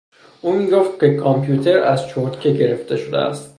او میگفت که کامپیوتر از چرتکه گرفته شده است.